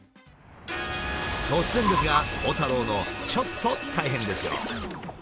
突然ですが鋼太郎のちょっと大変ですよ。